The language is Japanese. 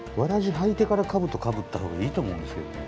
履いてからかぶとかぶったほうがいいと思うんですけどね。